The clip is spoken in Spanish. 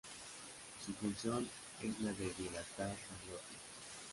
Su función es la de dilatar la glotis.